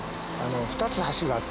２つ橋があって。